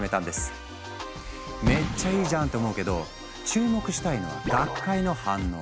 めっちゃいいじゃん！って思うけど注目したいのは学会の反応。